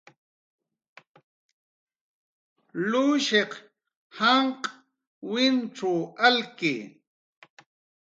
Lushiq janq' wincxw alki